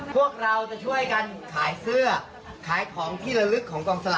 พวกเราจะช่วยกันขายเสื้อขายของที่ละลึกของกองสลาก